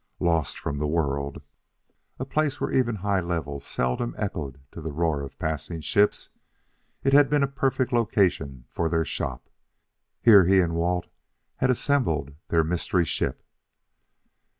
Lost from the world, a place where even the high levels seldom echoed to the roar of passing ships, it had been a perfect location for their "shop." Here he and Walt had assembled their mystery ship.